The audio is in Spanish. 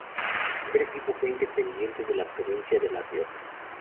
Su primer equipo fue Independiente de la provincia de La Rioja.